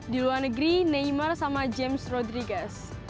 di luar negeri neymar sama james rodrigus